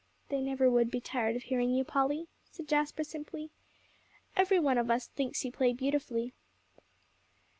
"They never would be tired of hearing you, Polly," said Jasper simply. "Every one of us thinks you play beautifully."